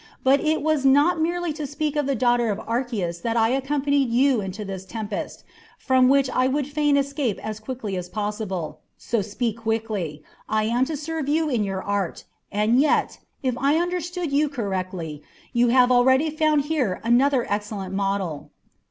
But it was not merely to speak of the daughter of Archias that I accompanied you into this tempest, from which I would fain escape as quickly as possible. So speak quickly. I am to serve you in your art, and yet, if I understood you correctly, you have already found here another excellent model."